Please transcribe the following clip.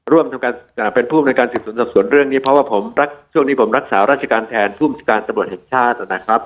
ร่วมกันเป็นผู้อำนวยการสืบสวนสอบสวนเรื่องนี้เพราะว่าผมรักช่วงนี้ผมรักษาราชการแทนผู้บัญชาการตำรวจแห่งชาตินะครับ